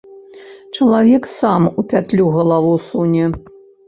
Чалавек сам у пятлю галаву суне.